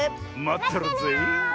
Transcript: まってるよ！